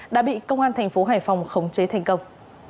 đã bị công an tp hcm khống chế thành công